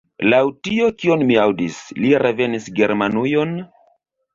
Laŭ tio, kion mi aŭdis, li revenis Germanujon?